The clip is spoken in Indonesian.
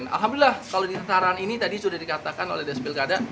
alhamdulillah kalau ditaran ini tadi sudah dikatakan oleh des pilkada